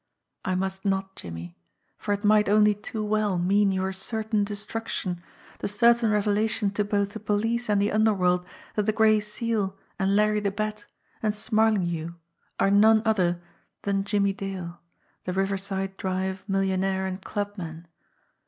I must not, Jimmie; for it might only too well mean your certain destruction, the certain revela tion to both the police and the underworld that the Gray Seal and Larry the Bat and Smarlinghue are none other than Jimmie Dale, the Riverside Drive millionaire and clubman.